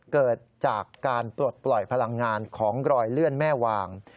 เกิดจากการปลดปล่อยพลังงานของรอยเลื่อนแม่วาง